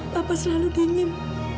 papa selalu dingin